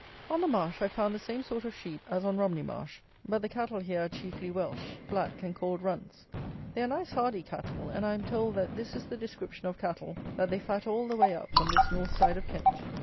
On the marsh I found the same sort of sheep as on Romney Marsh; but the cattle here are chiefly Welsh; black, and called runts. They are nice hardy cattle; and, I am told, that this is the description of cattle that they fat all the way up on this north side of Kent.